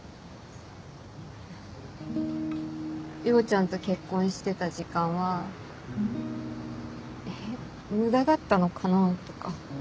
陽ちゃんと結婚してた時間は無駄だったのかなとか。